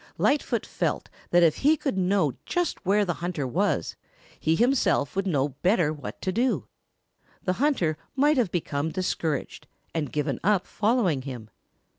Lightfoot felt that if he could know just where the hunter was, he himself would know better what to do. The hunter might have become discouraged and given up following him.